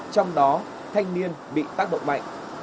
trong đó thanh niên bị tác động mạnh